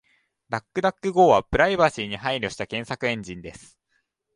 DuckDuckGo はプライバシーに配慮した検索エンジンです。